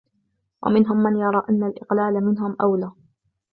وَمِنْهُمْ مَنْ يَرَى أَنَّ الْإِقْلَالَ مِنْهُمْ أَوْلَى